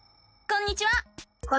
こんにちは。